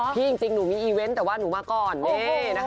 พี่จริงหนูมีอีเวนต์แต่ว่าหนูมาก่อน